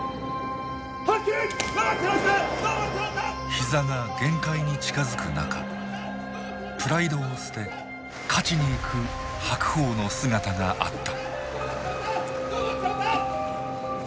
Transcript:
膝が限界に近づく中プライドを捨て勝ちに行く白鵬の姿があった。